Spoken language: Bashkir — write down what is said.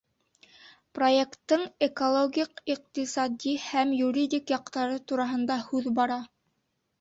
Проекттың экологик, иҡтисади һәм юридик яҡтары тураһында һүҙ бара.